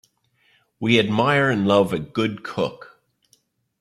We admire and love a good cook.